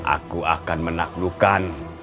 aku akan menaklukkan